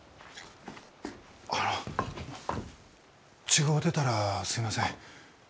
あの違うてたらすいません。